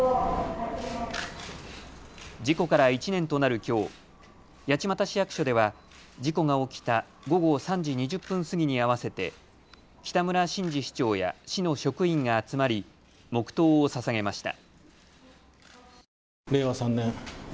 事故から１年となるきょう、八街市役所では事故が起きた午後３時２０分過ぎに合わせて北村新司市長や市の職員が集まり黙とうを捧げました。